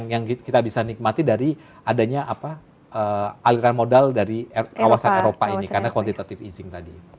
jadi yang kita bisa nikmati dari adanya aliran modal dari kawasan eropa ini karena quantitative easing tadi